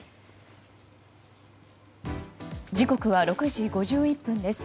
時刻は６時５１分です。